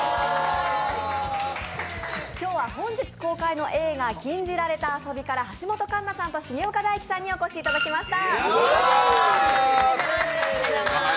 今日は、本日公開の映画「禁じられた遊び」から橋本環奈さんと重岡大毅さんにお越しいただきました。